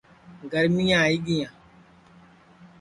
گرمِِیاں آئی گِیاں